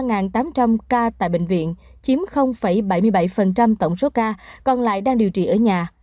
cụ thể hà nội có hơn ba tám trăm linh ca tại bệnh viện chiếm bảy mươi bảy tổng số ca còn lại đang điều trị ở nhà